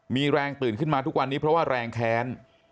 มีแรงตื่นขึ้นมาทุกวันนี้เพราะว่าแรงแค้น